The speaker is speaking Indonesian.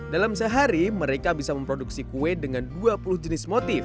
dalam sehari mereka bisa memproduksi kue dengan dua puluh jenis motif